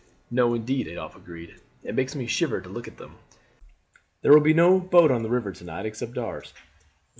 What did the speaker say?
"No, indeed," Adolphe agreed. "It makes me shiver to look at them. There will be no boat out on the river to night except ours.